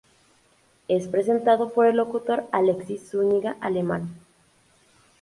Es presentado por el locutor Alexis Zúñiga Alemán.